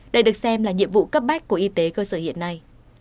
đây được xem là nhiệm vụ cấp bách của y tế cơ sở hiện nay